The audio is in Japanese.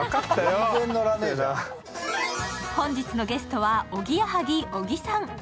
本日のゲストはおぎやはぎ小木さん。